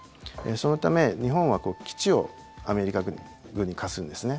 そのため、日本は基地をアメリカ軍に貸すんですね。